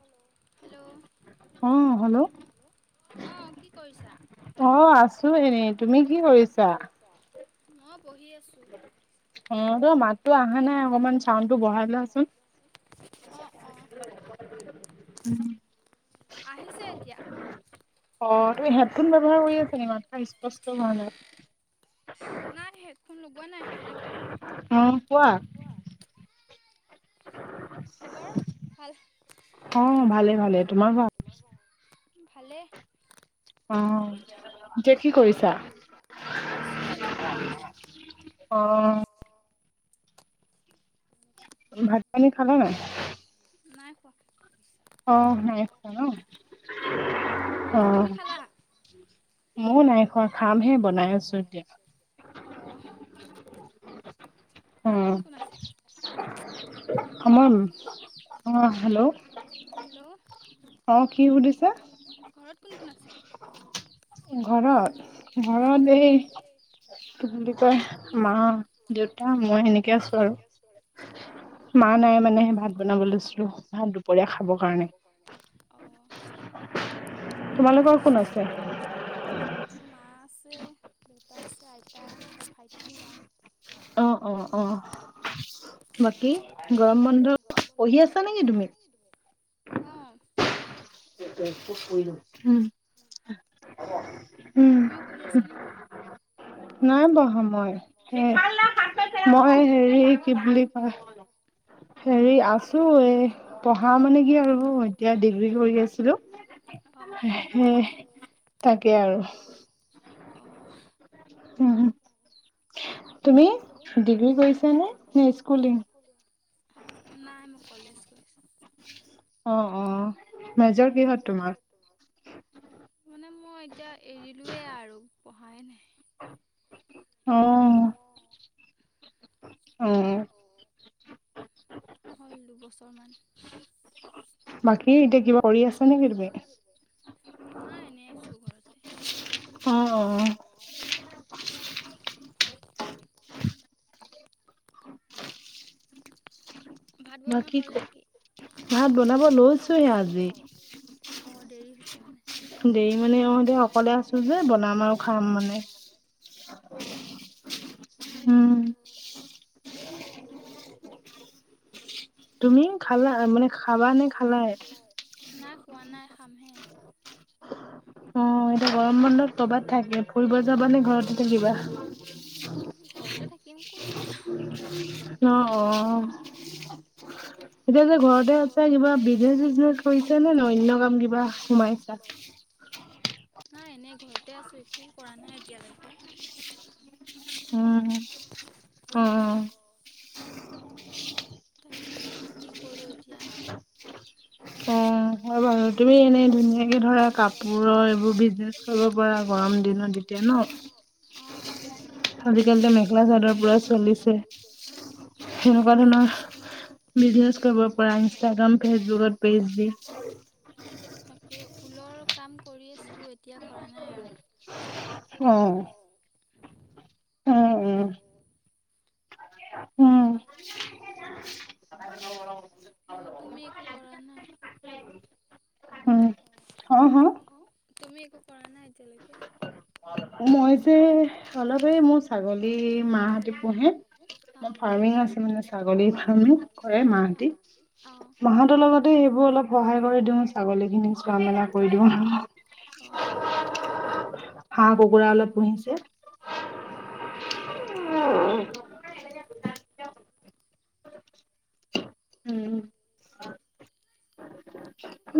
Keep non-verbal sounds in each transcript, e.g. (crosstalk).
Hello, hello. অ', hello অ' কি কৰিছা? অ', আছো এনে, তুমি কি কৰিছা? মই বহি আছোঁ। এনেকে মাতটো আহা নাই অকণমান চাউণ্ডটো বঢ়াই দিয়া চোন, অ' অ'। উম। আহিছে এতিয়া? অ', তুমি হেডফোন ব্যৱহাৰ কৰি আছা নেকি মাতটো স্পষ্ট হোৱা নাই। নাই হেডফোন লগোৱা নাই। অ', কোৱা। খবৰ ভাল? অ', ভালেই ভালেই, তোমাৰ ভাল? ভালেই। অ'। এতিয়া কি কৰিছা? অ'! ভাত ভাত পানী খালে? নাই খোৱা! অ', নাই খোৱা ন? অ', মইয়ো নাই খোৱা খামহে বনাই আছো এতিয়া। অহ! ঘৰত কোন কোন আছে? (inaudible) অ', হেল্ল' হেল্ল'। অ', কি সুধিছে? ঘৰত কোন কোন আছে? ঘৰত ঘৰত এই কি বুলি কয় মা দেউ উতা মই সেনেকে আছো আৰু মা নাই মানে সেই ভাত বনাব লৈছিলো। ভাত দু দুপৰীয়া খাবৰ কাৰণে। অ', তোমাৰলোক কোন আছে? মোৰ মা আছে দেউতা আছে আইতা ভাইটি মই। অ', অ', অ'। বাকী? বাকী গৰম বন্ধ পঢ়ি আছা নেকি তুমি? অ' পঢ়ি (inaudible) তুমিও পঢ়ি আছা নেকি? নাই পঢ়া মই এই মই হেৰি কি বুলি কয় হেৰি আছো এ পঢ়া মানে কি আৰু এতিয়া ডিগ্ৰী কৰি আছিলো হেহ তাকে আৰু। অহ। উম, তুমি ডিগ্ৰী কৰিছানে নে স্কুলিং? নাই মই কলেজ গৈছো। অ', অ', মেজৰ কিহত তোমাৰ? মানে মই এতিয়া এৰিলৱেই আৰু পঢ়াই নাই। অ'। অ'। অ'। হল দুবছৰমান। বাকী এতিয়া কিবা কৰি আছ নে কি তুমি। নাই এনেই আছো ঘৰতে অ। ভাত বনোৱা হল নেকি ভাত বনাব লৈছে আৰু। অ দেৰি হৈছে মানে। দেৰি মানে অ দেয় অকলে আছে যে বনাম আৰু খাম মানে। অঁ অ। তুমি খালা মনে খাবা নে খালাই নাই খোৱা নাই খামহে। অ এতিয়া গৰম বন্ধত ক'ৰবাত থাকে ফুৰিব যাবা নে ঘৰত থাকিবা। ঘৰতে থাকিম ক'ত নো যাওঁ। অ অ। এতিয়া যে ঘৰতে আছে কিবা বিজনেচ চিজনেছ কৰিছে নে নহ অন্য কাম কিবা সোমাইছা। নাই এনে ঘৰতে আছো একো কৰা নাই এতিয়ালৈকে। উম উম। তাকে কি কৰো এতিয়া। কম ৰবা। আৰু তুমি এনে ধুনীয়াকে ধৰা কাপোৰৰ এইবোৰ বিজনেচ কৰিব পাৰা গৰম দিনত যেতিয়া ন। অঁ। আজিকালিতো মেখেলা চাদৰ পুৰা চলিছে। সেনেকুৱা ধৰণৰ বিজনেছ কৰিব পৰা ইনষ্টাগ্ৰাম ফেচবুকত পেজ। তাকে ঊলৰ কাম কৰি আছিলোঁ এতিয়া কৰা নাই আৰু। অ। উম উম। উম। এ তুমি একো কৰা নাই। অ অ তুমি একো কৰা নাই এতিয়ালৈকে। মই যে অলপ এই মোৰ ছাগলী মাহতে পোহে। মোৰ ফাৰ্মিং আছে মানে ছাগলী ফাৰ্মিং কৰে মাহতি। মাহতৰ লগতে সেইবোৰ অলপ সহায় কৰি দিওঁ ছাগলী খিনি চোৱা মেলা কৰি দিওঁ আৰু। অহ। হাঁহ কুকুৰা অলপ পোওঁতে অ। উম।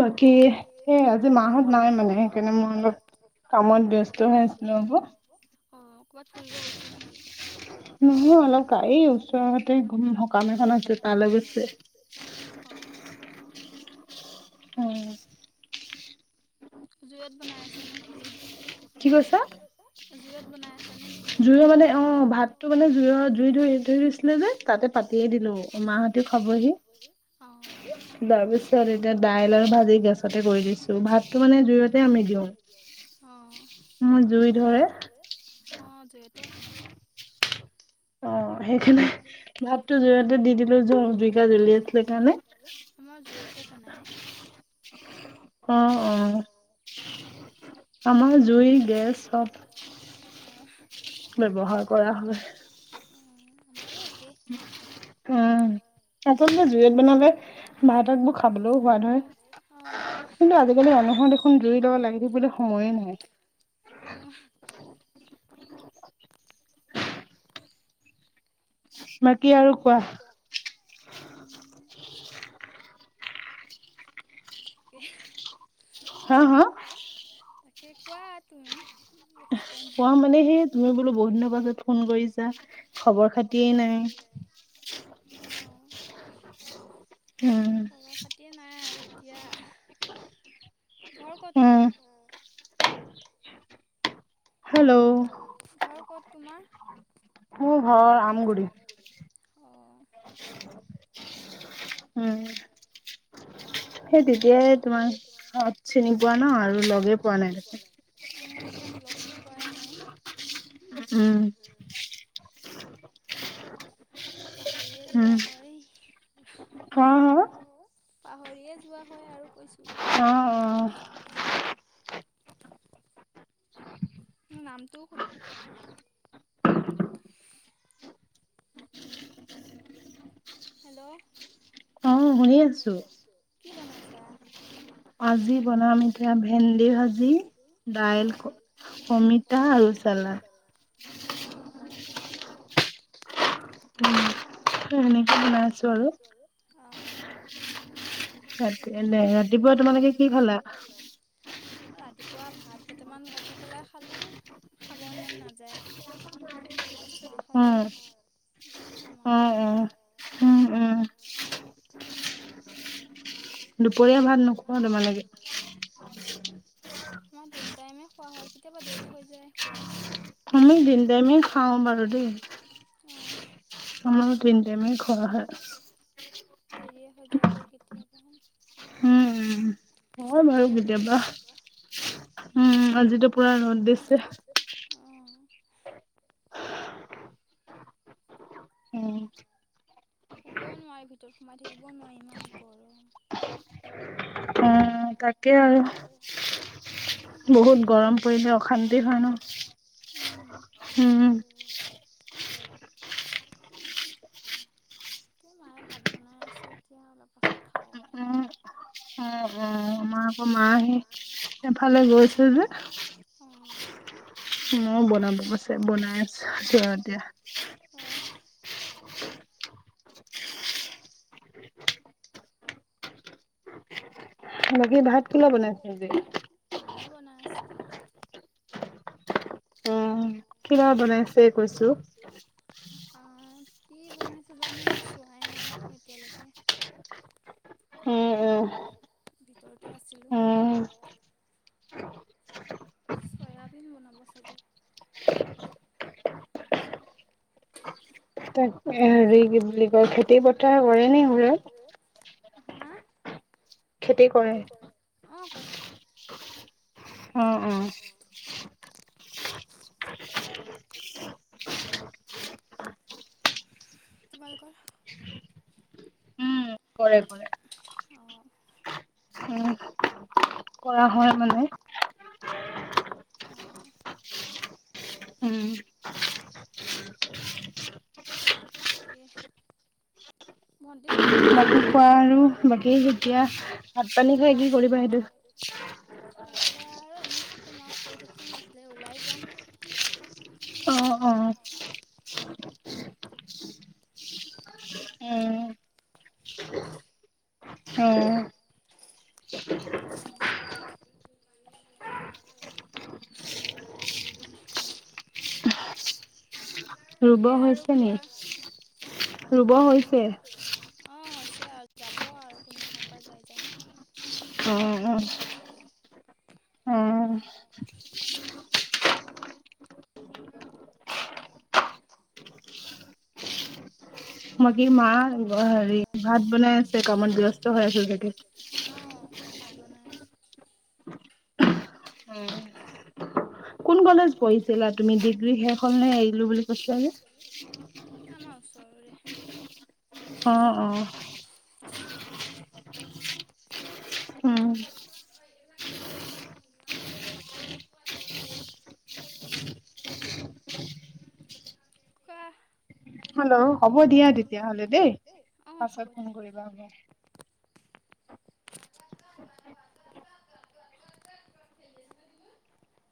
বাকী সেই আজি মাহত নাই মানে সেইকাৰণে ময় অলপ। অ ক'বাত ফুৰিব গৈছে নেকি। নহয় অলপ কা এই ওচৰতে সকাম এখন আছে তালে গছে। অঁ। উম। (inaudible) জুইত বনাই আছে নেকি। কি কৈছা। জুইত বনাই আছা। তানে কি মানে অ ভাতটো মানেইৰি গছিলে যে তাতে পাতি দিলো। মাহঁতিও খাবহি অ তাৰ পিছত এতিয়া দাইল আৰু ভাজি গেছতে কৰি দিম। ভাতটো মানে জুইতে আমি দিওঁ অ। মোৰ জুই ধৰে। অঁ' জুইতে ভাল। অ সেইখিনে ভাতটো জুইতে দি দিলে জ জিকা জ্বলি আছিল সেইকাৰণে- আমাৰ জুইয়তে বনায়। অঁ', -অঁ',। আমাৰ জুই গেছ নাই। অ। অ, আমাৰো একেই। ত'- তাৰ পিছত মোৰ জুইত বনালে মাহত বোৰ খাবলৈও হোৱা নাই। কিন্তু আজিকালি মানুহৰ দেখুন ঘুৰি দিব লাগিব সেইটো সময় নাই। বাকী আৰু কোৱা? উম। তাকে, হাঁ-হাঁ? তাকে, কোৱা তুমি? টাইম নাই। কোৱা মানে সেই তুমি বোলো বহুদিনৰ পাছত ফোন কৰিছা খবৰ খাতিয়ে নাই। অ। খবৰ খাতিয়ে নাই আৰু এতিয়া। ঘৰ ক'ত তোমাৰ? হেল্ল' ঘৰ ক'ত তোমাৰ? মোৰ ঘৰ আমগুৰিত। অ। উম। সেই তেতিয়াই তোমাক চিনি পোৱা ন' আৰু লগে পোৱা নাই। উমঁ, লগটো পোৱাই নাই। উমঁ। পাহৰিয়ে যোৱা হয়। পাহৰিয়ে যোৱা হয় আৰু কৈছোঁ। মোৰ নামটো সুধ। হেল্ল' অ' বহি আছো। কি বনাইছা? ভাজি বনাম এতিয়া ভেন্দি ভাজি, দাইল। অমিতা আৰু চানা। অহ। উম' সেনেকে বনাই আছো আৰু। অঁহ। ৰাতিলে-ৰাতিপুৱা তোমালোকে কি খালা? মই ৰাতিপুৱা ভাত কেইটামান ভাজি পেলাই খালোঁ। খাবৰ মন নাযায়। এতিয়া চাহ খালো, ভাত খাম আৰু। উমঁ-উমঁ। দুপৰীয়া ভাত মোক থব নালাগে। মই তিন টাইমে খোৱা হয় কেতিয়াবা দেৰি হৈ যায় খোৱা। আমি তিনি টাইমে খাওঁ বাৰু দে। অঁহ। আমাৰো তিন টাইমে খোৱা হয়। দেৰিয়ে হৈ যায় গৈ কেতিয়াবা। উমঁ-উমঁ। হয় বাৰু কেতিয়াবা। উমঁ, আজিতো পুৰা ৰদ দিছে। অঁহ। উম। শুবও নোৱাৰি ভিতৰত সোমাই থাকিবও নোৱাৰি ইমান গৰম। (unintelligible) অঁ' তাকে আৰু। হুম হুম বহুত গৰম পৰিছে অশান্তি হয় ন। উম' এই মায়ে ভাত বনাই আছে এতিয়া অলপ পাছত খাব পাৰিম আও। উম হুম আমাৰ আকৌ মাঁ হেই এফালে গৈছে যে। উম' মোক বনাব কৈছে বনাই আছো এতিয়া। অহ। লগি ভাত কোনে বনায়? মায়ে বনাই আছে। অঁ কিবা বনাইছে কৈছো? অঁ, কি বনাইছে জানো মই চোৱাই নাই ন এতিয়ালৈকে। অ অ' ভিতৰতে আছিলোঁ। চয়াবিন্ বনাব চাগে। তাক এ হেৰি কি বুলি কয় খেতি পথাৰ কৰে নি ঘৰত? হাঁ' খেতি কৰে। অঁ অঁ' (unintelligible) তোমালোকৰ? উম কৰে কৰে। অঁ' উম' কৰা হয় মানে। উম' তাকে। ভণ্টি স্ক- চন্তি নাই ভাইটি। খোৱা আৰু বাকী যেতিয়া ভাত পানী খাই কি কৰিবা সেইটো- খাই পেলাই আৰু এনেই কি কম আৰু শুই থাকিম এইফালে ওলাই যাম। অঁ অঁ অঁ' উম' (unintelligible) অঁ' তাকে আৰু কোৱা। ৰুব হৈছে। অঁ হৈছে আৰু যাব আৰু কোননাখন পৰা যাই জানো। অ অ' মাকি মা হেৰি ভাত বনাই আছে কামত ব্যস্ত হৈ আছে ছাগে। অঁ, ভাত বনাই আছে। উম' কোন কলেজ পঢ়িছিলা তুমি? ডিগ্ৰী শেষ হ'ল নে এৰিলো বুলি কৈছিলা যে। এ আমাৰ ওচৰৰে। অঁ অঁ। (unintelligible) (unintelligible) কোৱা। হেল্লৌ' হ'ব দিয়া তেতিয়াহলে দেই। অঁ হ'ব দিয়া। ওলা ওলা। (unintelligible)